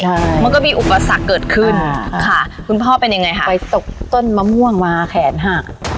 ใช่มันก็มีอุปสรรคเกิดขึ้นอ่าค่ะคุณพ่อเป็นยังไงค่ะไปตกต้นมะม่วงมาแขนหัก